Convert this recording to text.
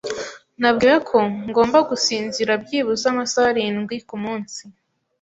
Nabwiwe ko ngomba gusinzira byibuze amasaha arindwi kumunsi.